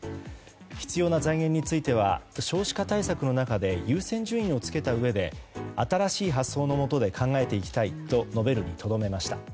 必要な財源については少子化対策の中で優先順位をつけたうえで新しい発想のもとで考えていきたいと述べるにとどめました。